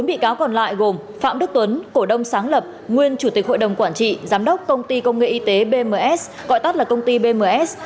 bốn bị cáo còn lại gồm phạm đức tuấn cổ đông sáng lập nguyên chủ tịch hội đồng quản trị giám đốc công ty công nghệ y tế bms gọi tắt là công ty bms